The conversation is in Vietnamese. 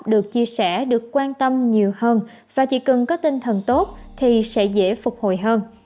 được chia sẻ được quan tâm nhiều hơn và chỉ cần có tinh thần tốt thì sẽ dễ phục hồi hơn